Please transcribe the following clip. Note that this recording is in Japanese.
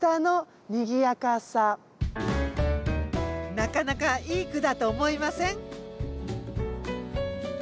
なかなかいい句だと思いません？